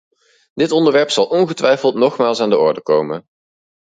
Dit onderwerp zal ongetwijfeld nogmaals aan de orde komen.